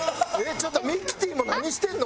ちょっとミキティも何してんの？